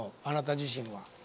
あなた自身は。